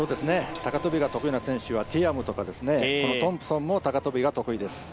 高跳が得意な選手は、ティアムとかトンプソンも高跳が得意です。